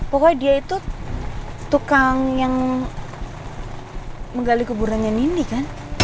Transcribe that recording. pokoknya dia itu tukang yang menggali kuburannya nindi kan